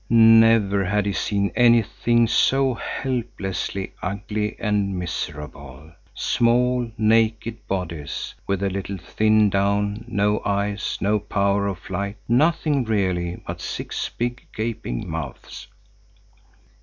Never had he seen anything so helplessly ugly and miserable: small, naked bodies, with a little thin down, no eyes, no power of flight, nothing really but six big, gaping mouths.